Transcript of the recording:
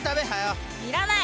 いらない！